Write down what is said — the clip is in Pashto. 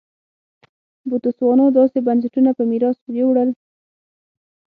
بوتسوانا داسې بنسټونه په میراث یووړل.